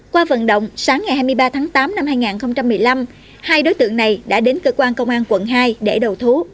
qua vận động sáng ngày hai mươi ba tháng tám năm hai nghìn một mươi năm hai đối tượng này đã đến cơ quan công an quận hai để đầu thú